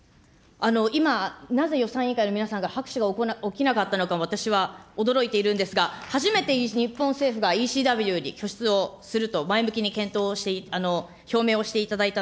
今、なぜ予算委員会の皆さんが拍手が起きなかったのかも私は驚いているんですが、初めて日本政府がＥＣＷに拠出をすると、前向きに検討、表明をしていただいた。